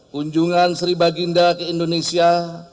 kunjungan sri baginda ke indonesia